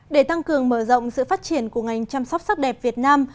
để tăng cường mở rộng sự phát triển của ngành chăm sóc sắc đẹp việt nam